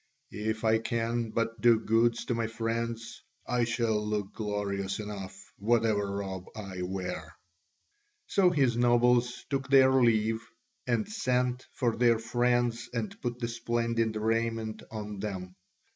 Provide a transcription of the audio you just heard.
If I can but do good to my friends, I shall look glorious enough, whatever robe I wear." So his nobles took their leave, and sent for their friends and put the splendid raiment on them.